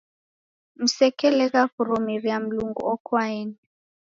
Msekelegha kurumiria Mlungu okwaeni.